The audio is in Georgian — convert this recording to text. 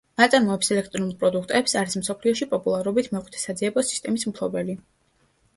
აწარმოებს ელექტრონულ პროდუქტებს, არის მსოფლიოში პოპულარობით მეხუთე საძიებო სისტემის მფლობელი.